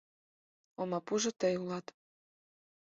Олмапужо тый улат